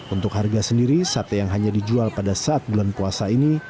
untuk harga sendiri sate yang hanya dijual pada saat bulan puasa ini